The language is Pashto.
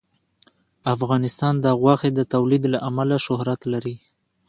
افغانستان د غوښې د تولید له امله شهرت لري.